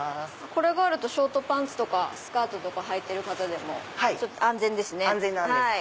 これがあるとショートパンツとかスカートはいてる方でも安全ですね。